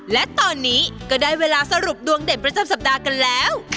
และตอนนี้ก็ได้เวลาสรุปดวงเด่นประจำสัปดาห์กันแล้ว